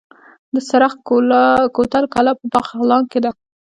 د سرخ کوتل کلا په بغلان کې ده